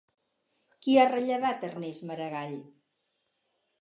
Qui ha rellevat Ernest Maragall?